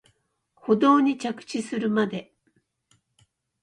舗道に着地するまで